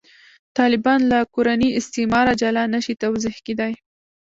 طالبان له «کورني استعماره» جلا نه شي توضیح کېدای.